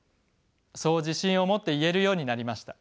そう自信を持って言えるようになりました。